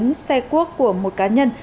và bốn xe cuốc của một cá nhân